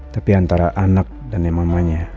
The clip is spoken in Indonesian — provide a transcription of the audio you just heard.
tapi antara anak dan yang mamanya